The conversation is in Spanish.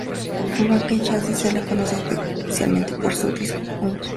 Al Bank Exchange se le conoció especialmente por su pisco punch.